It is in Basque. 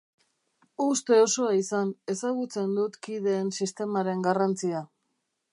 Uste osoa izan, ezagutzen dut kideen sistemaren garrantzia.